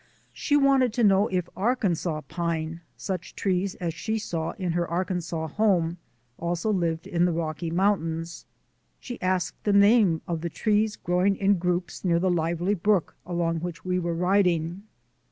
She wanted to know if Arkansas pine, such trees as she saw in her Arkansas home, also lived in the Rocky Mountains. She asked the name of the trees growing in groups near the lively brook along which we were riding.